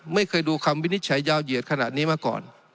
ไม่เคยดูคำวินิจฉัยยาวเหยียดขนาดนี้มาก่อน